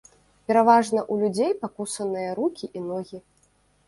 Пераважна ў людзей пакусаныя рукі і ногі.